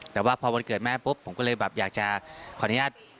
แต่ว่าพอวันเกิดแม่ปุ๊บผมก็เลยแบบอยากจะขออนุญาต